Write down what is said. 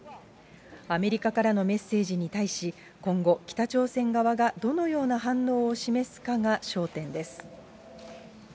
アメリカからのメッセージに対し、今後、北朝鮮側がどのような反応を示すかが焦点です。